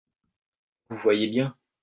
Vous voyez bien.